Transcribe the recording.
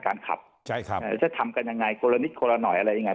ขับใช่ครับแล้วจะทำกันยังไงคนละนิดคนละหน่อยอะไรยังไง